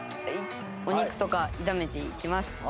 お肉とか炒めていきます。